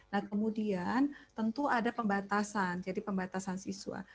nah kemudian tentu ada pembatasan jadi pembatasan siswa